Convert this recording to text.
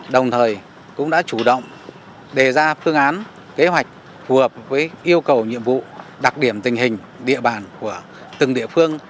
đồng thời cũng đã chủ động đề ra phương án kế hoạch phù hợp với yêu cầu nhiệm vụ đặc điểm tình hình địa bàn của từng địa phương